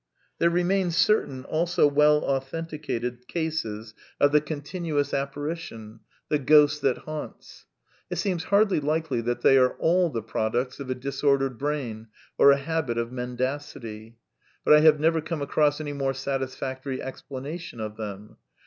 There remain certain (also well authenticated) cases of the continuous apparition, the ghost that haunts. It seems hardly likely that they are all the products of a disordered brain or a habit of mendacity. But I have never come across any more satisfactory explanation of them.